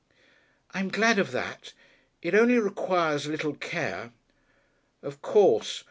"I'm glad of that. It only requires a little care." "Of course.